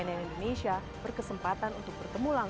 nah disitu kepencar sama temen temen